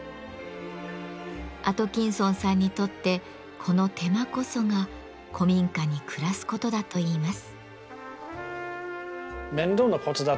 アトキンソンさんにとってこの手間こそが古民家に暮らすことだといいます。